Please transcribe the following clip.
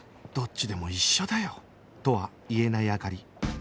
どっちでも一緒だよとは言えない灯